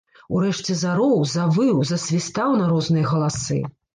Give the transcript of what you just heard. Урэшце зароў, завыў, засвістаў на розныя галасы.